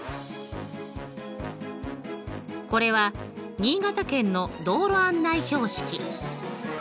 これは新潟県の道路案内標識。